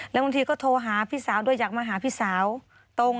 แล้วบางทีก็โทรหาพี่สาวด้วยอยากมาหาพี่สาวตรง